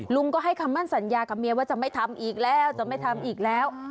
ลุงก็ให้คำมั่นสัญญากับเมียว่าจะไม่ทำอีกแล้วจะไม่ทำอีกแล้ว